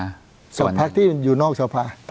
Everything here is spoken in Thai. กับพักที่อยู่นอกสภา